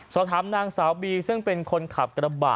สอบถามนางสาวบีซึ่งเป็นคนขับกระบะ